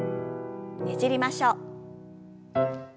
ねじりましょう。